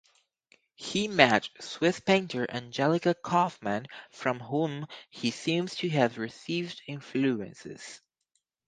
He met Swiss painter Angelica Kauffman, from whom he seems to have received influences.